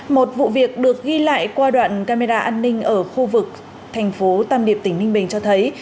một vụ việc được ghi lại qua đoạn camera an ninh ở khu vực thành phố tam điệp tỉnh ninh bình cho thấy